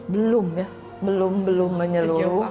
belum ya belum belum menyeluruh